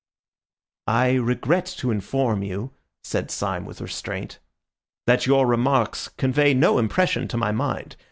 "I regret to inform you," said Syme with restraint, "that your remarks convey no impression to my mind.